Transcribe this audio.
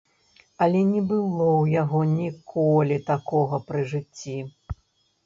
Але не было ў яго ніколі такога пры жыцці!